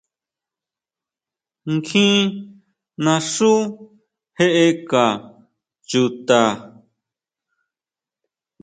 ¿Nkjín naxú jeʼeka chuta?